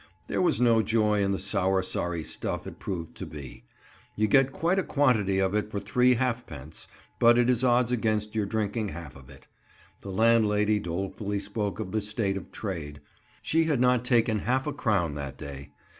There was no joy in the sour sorry stuff it proved to be. You get quite a quantity of it for three halfpence; but it is odds against your drinking half of it. The landlady dolefully spoke of the state of trade. She had not taken half a crown that day.